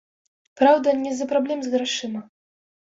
Праўда, не з-за праблем з грашыма.